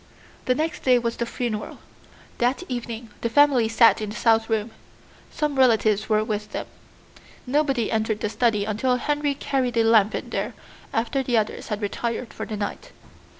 The next day was the funeral. That evening the family sat in the south room. Some relatives were with them. Nobody entered the study until Henry carried a lamp in there after the others had retired for the night.